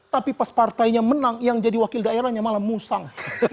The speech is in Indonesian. tapi pas partainya menang yang jadi wakil daerahnya malah musang